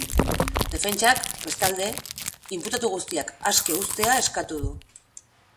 Defentsak, bestalde, inputatu guztiak aske uztea eskatu du.